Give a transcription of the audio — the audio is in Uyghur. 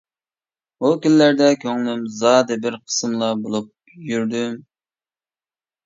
ئۇ كۈنلەردە كۆڭلۈم زادى بىر قىسمىلا بولۇپ يۈردۈم.